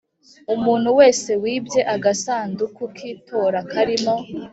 Umuntu wese wibye agasanduku k itora karimo